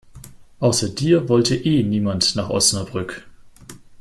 Außer dir wollte eh niemand nach Osnabrück.